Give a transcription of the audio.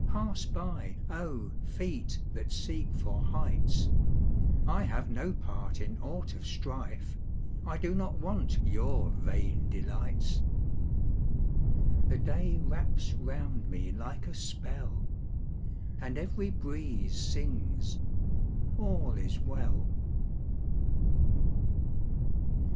Pass by, oh, feet that seek for heights! I have no part in aught of strife; I do not want your vain delights. The day wraps round me like a spell, And every breeze sings, "All is well."